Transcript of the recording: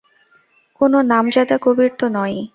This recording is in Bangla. কোনো নামজাদা কবির তো নয়ই।